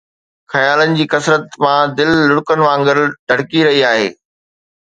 خيالن جي ڪثرت مان دل لڙڪن وانگر ڌڙڪي رهي آهي